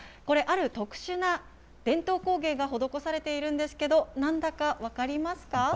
これ、ある特殊な伝統工芸が施されているんですけど、なんだか分かりますか？